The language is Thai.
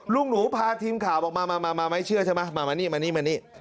ลูกหนูพาทีมข่าวมาไม่เชื่อใช่ไหมมานี่